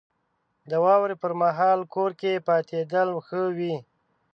• د واورې پر مهال کور کې پاتېدل ښه وي.